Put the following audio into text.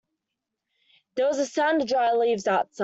There was a sound of dry leaves outside.